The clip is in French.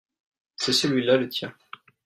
c'est celui-là le tien.